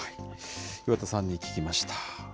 岩田さんに聞きました。